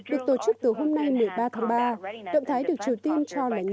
việc tổ chức từ hôm nay một mươi ba tháng ba động thái được triều tiên cho là nhằm vào nước này